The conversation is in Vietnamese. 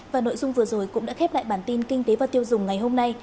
và nội dung vừa rồi cũng đã khép lại bản tin kinh tế và tiêu dùng ngày hôm nay